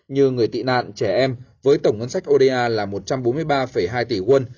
như người tị nạn trẻ em với tổng ngân sách oda là một trăm bốn mươi ba hai tỷ won